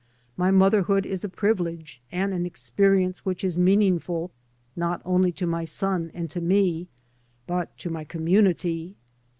My motherhood is a privilege and an experience which is meaningful not only to my son and to me, but to my community.